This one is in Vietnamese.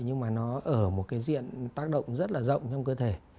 nhưng mà nó ở một cái diện tác động rất là rộng trong cơ thể